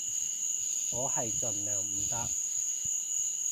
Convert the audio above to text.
我係盡量唔搭